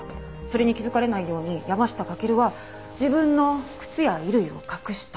それに気づかれないように山下駆は自分の靴や衣類を隠した。